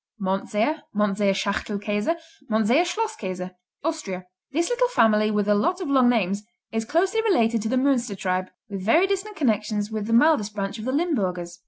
Mondseer, Mondseer Schachtelkäse, Mondseer Schlosskäse Austria This little family with a lot of long names is closely related to the Münster tribe, with very distant connections with the mildest branch of the Limburgers.